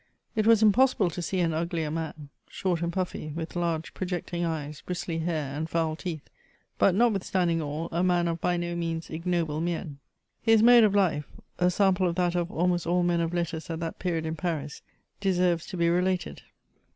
It was impossible to see an uglier man : short and puffy, with large projecting eyes, bristly hair, and foul teeth ; but, notwith standing all, a man of by no means ignoble mien. His mode of life — a sample of that of almost all men of letters at that period in Paris — deserves to be related.